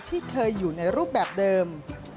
ที่เคยอยู่ในรูปแบบเดิม